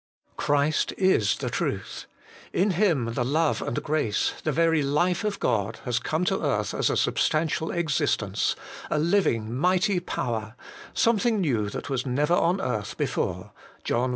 Christ is the Truth ; in Him the love and grace, the very life of God, has come to earth as a sub stantial existence, a Living, Mighty Power, some thing new that was never on earth before (John i.